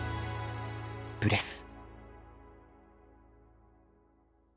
「ブレス」。